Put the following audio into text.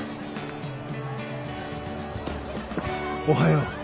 おはよう！